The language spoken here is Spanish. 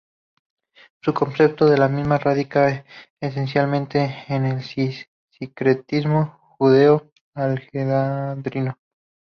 Su concepto de la misma radica esencialmente en el sincretismo judeo-alejandrino.